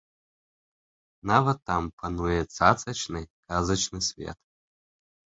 Нават там пануе цацачны, казачны свет.